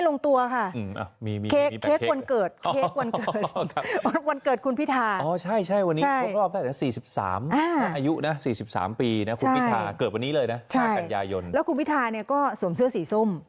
แล้วคุณพิธาเนี้ยก็สวมเสื้อสีส้ม